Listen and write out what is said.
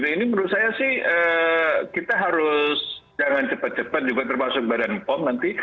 ini menurut saya sih kita harus jangan cepat cepat juga termasuk badan pom nanti